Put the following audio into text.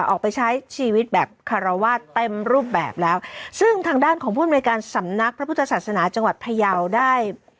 ออกไปใช้ชีวิตแบบคารวาสเต็มรูปแบบแล้วซึ่งทางด้านของผู้อำนวยการสำนักพระพุทธศาสนาจังหวัดพยาวได้